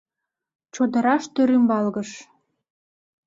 Чодыраште рӱмбалгыш.